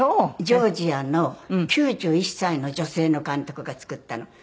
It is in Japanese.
ジョージアの９１歳の女性の監督が作ったの。